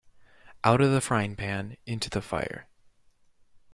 Out of the frying-pan into the fire.